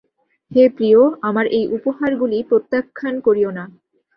হে প্রিয়, আমার এই উপহারগুলি প্রত্যাখ্যান করিও না।